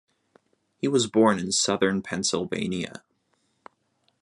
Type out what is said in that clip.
He was born in southern Pennsylvania.